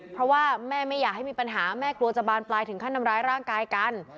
เพราะว่าแม่ไม่อยากให้มีปัญหาแม่กลัวจะบานปลายถึงขั้นทำร้ายร่างกายกัน